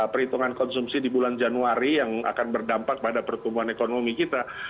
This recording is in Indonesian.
perhitungan konsumsi di bulan januari yang akan berdampak pada pertumbuhan ekonomi kita